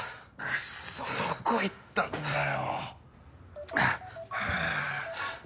クソっどこ行ったんだよ！